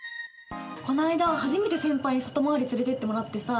この間初めて先輩に外回り連れてってもらってさ。